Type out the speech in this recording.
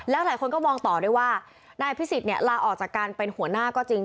แล้วหลายคนก็มองต่อด้วยว่านายอภิษฎเนี่ยลาออกจากการเป็นหัวหน้าก็จริง